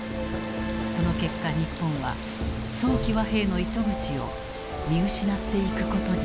その結果日本は早期和平の糸口を見失っていくことになる。